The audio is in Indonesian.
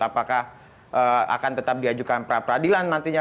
apakah akan tetap diajukan pra peradilan nantinya